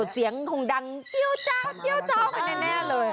เสียงคงดังเจ้าเจ้า